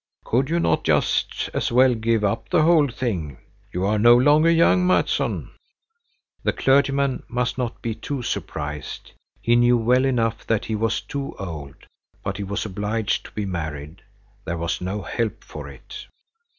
"Could you not just as well give up the whole thing? You are no longer young, Mattsson." The clergyman must not be too surprised. He knew well enough that he was too old, but he was obliged to be married. There was no help for it.